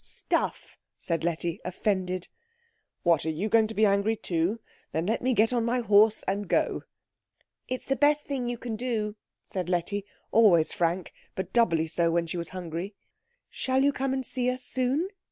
"Stuff," said Letty, offended. "What, are you going to be angry too? Then let me get on my horse and go." "It's the best thing you can do," said Letty, always frank, but doubly so when she was hungry. "Shall you come and see us soon?"